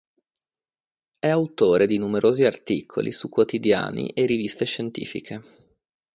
È autore di numerosi articoli su quotidiani e riviste scientifiche.